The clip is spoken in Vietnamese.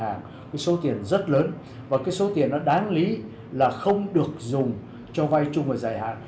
các ngân hàng nhà nước có số tiền rất lớn và số tiền đáng lý là không được dùng cho vay chung và giải hạn